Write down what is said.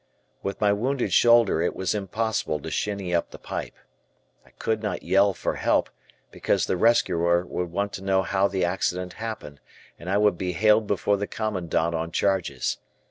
With my wounded shoulder it was impossible to shinny up the pipe. I could not yell for help, because the rescuer would want to know how the accident happened, and I would be haled before the Commandant on charges.